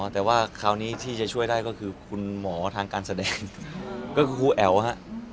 แต่ว่าคราวนี้ที่จะช่วยได้ก็คือคุณหมอทางการแสดงก็คือครูแอ๋วฮะ